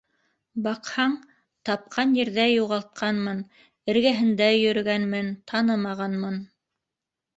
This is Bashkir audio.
Баҡһаң, тапҡан ерҙә юғалтҡанмын, эргәһендә йөрөгәнмен - танымағанмын.